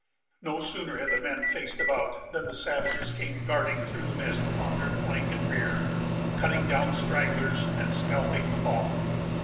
No sooner had the men faced about, than the savages came darting through the mist upon their flank and rear, cutting down stragglers, and scalping the fallen.